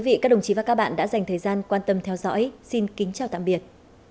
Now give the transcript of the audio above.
thưa quý vị các đồng chí và các bạn đã dành thời gian quan tâm theo dõi xin kính chào tạm biệt